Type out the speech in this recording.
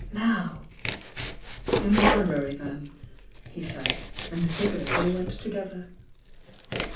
"Now!" "In the library, then," he said, and thither they went together.